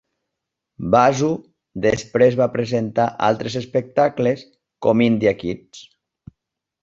Basu després va presentar altres espectacles, com "India Quiz"